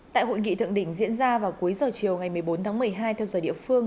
tại hội nghị thượng đỉnh diễn ra vào cuối giờ chiều ngày một mươi bốn tháng một mươi hai theo giờ địa phương